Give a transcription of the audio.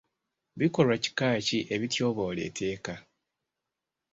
Bikolwa kika ki ebityoboola etteeka?